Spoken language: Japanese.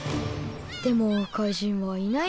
でも怪人はいないね。